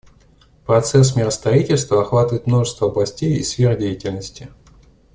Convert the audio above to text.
Процесс миростроительства охватывает множество областей и сфер деятельности.